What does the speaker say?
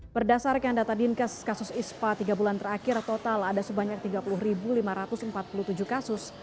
berdasarkan data dinkes kasus ispa tiga bulan terakhir total ada sebanyak tiga puluh lima ratus empat puluh tujuh kasus